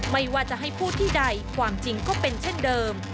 ไม่ว่าจะให้พูดที่ใดความจริงก็เป็นเช่นเดิม